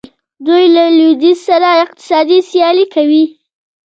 دوی له لویدیځ سره اقتصادي سیالي کوي.